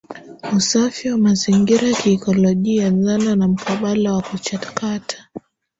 Usafi wa mazingira kiikolojia dhana na mkabala wa kuchakata